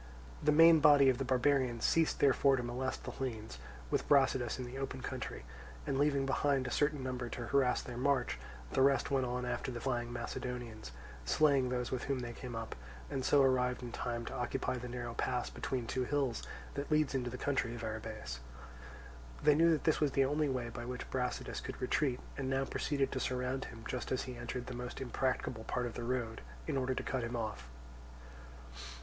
The main body of the barbarians ceased therefore to molest the Hellenes with Brasidas in the open country, and leaving behind a certain number to harass their march, the rest went on after the flying Macedonians, slaying those with whom they came up, and so arrived in time to occupy the narrow pass between two hills that leads into the country of Arrhabaeus. They knew that this was the only way by which Brasidas could retreat, and now proceeded to surround him just as he entered the most impracticable part of the road, in order to cut him off.